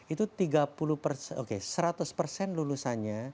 itu tiga puluh persen oke seratus persen lulusannya